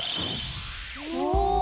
お！